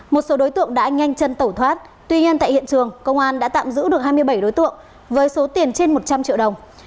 một số đối tượng đã nhanh chân tẩu thoát tuy nhiên tại hiện trường công an đã tạm giữ được hai mươi bảy đối tượng với số tiền trên một trăm linh triệu đồng